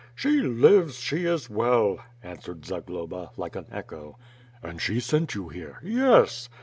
"She lives; she is well," answered Zagloba, like an echo. "And she sent you here?" "Yes."